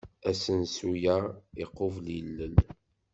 Asensu-a iqubel ilel.